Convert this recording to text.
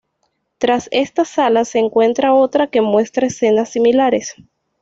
Tras esta sala se encuentra otra que muestra escenas similares.